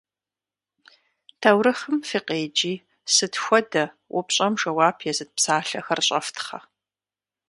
Таурыхъым фыкъеджи, «сыт хуэдэ?» упщӏэм жэуап езыт псалъэхэр щӏэфтхъэ.